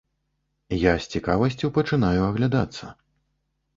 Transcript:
Я з цікавасцю пачынаю аглядацца.